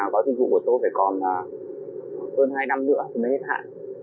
vào dịch vụ của tôi phải còn hơn hai năm nữa mới hết hạn